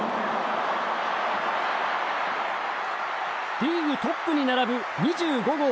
リーグトップに並ぶ２２号。